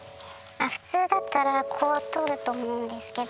普通だったらこうとると思うんですけど。